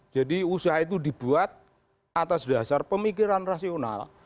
jadi usaha itu dibuat atas dasar pemikiran rasional